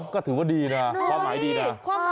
ก็ถือว่าดีนะความหมายดีนะ